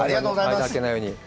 間あけないように。